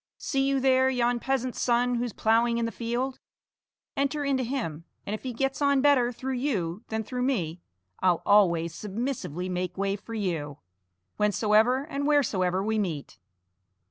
See you there yon peasant's son who's ploughing in the field? Enter into him, and if he gets on better through you than through me, I'll always submissively make way for you, whensoever and wheresoever we meet."